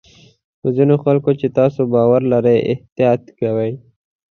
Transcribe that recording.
په ځینو خلکو چې تاسو باور لرئ احتیاط کوئ.